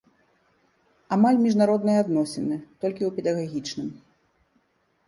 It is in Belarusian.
Амаль міжнародныя адносіны, толькі ў педагагічным.